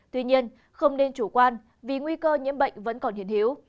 tuy nhiên không nên chủ quan vì nguy cơ nhiễm bệnh vẫn còn hiện hiếu